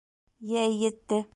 Йәй етте